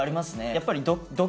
やっぱり。